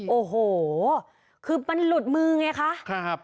โอ้โหคือมันหลุดมือไงคะ